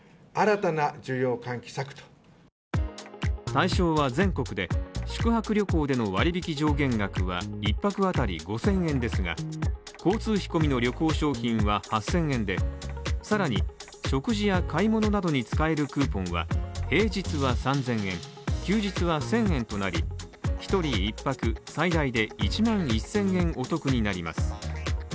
対象は全国で宿泊旅行での割引上限額は１泊当たり５０００円ですが、交通費込みの旅行商品は８０００円で、さらに食事や買い物などに使えるクーポンは、平日は３０００円休日は１０００円となり、１人１泊最大で１万１０００円お得になります。